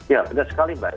ya benar sekali mbak